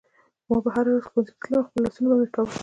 ما به هره ورځ ښوونځي ته تلم او خپل لوستونه به مې کول